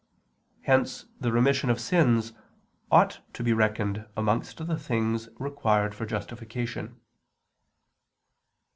Hence the remission of sins ought to be reckoned amongst the things required for justification.